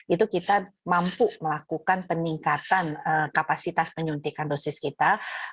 itu kita mampu melakukan peningkatan kapasitas penyuntikan dosis kita